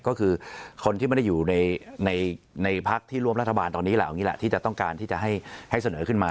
ก็คือคนที่ไม่ได้อยู่ในพักที่ร่วมรัฐบาลตอนนี้แหละอย่างนี้แหละที่จะต้องการที่จะให้เสนอขึ้นมา